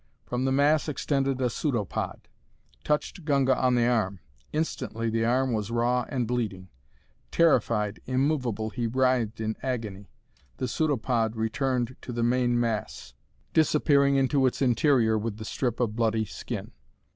From the mass extended a pseudopod; touched Gunga on the arm. Instantly the arm was raw and bleeding. Terrified, immovable, he writhed in agony. The pseudopod returned to the main mass, disappearing into its interior with the strip of bloody skin.